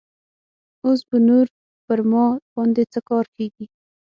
اوس به نور پر ما باندې څه کار کيږي.